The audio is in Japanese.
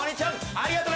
ありがとう。